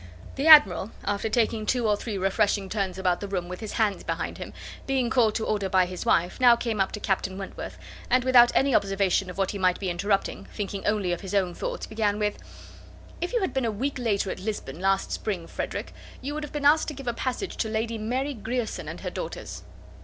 The Admiral, after taking two or three refreshing turns about the room with his hands behind him, being called to order by his wife, now came up to Captain Wentworth, and without any observation of what he might be interrupting, thinking only of his own thoughts, began with— "If you had been a week later at Lisbon, last spring, Frederick, you would have been asked to give a passage to Lady Mary Grierson and her daughters."